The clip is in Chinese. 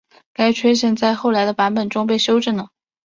该缺陷在后来的版本中被修正了。